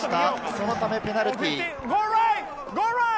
そのため、ペナルティー。